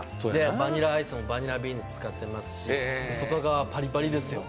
バニラアイスもバニラビーンズ使っていますし、外側パリパリですよ。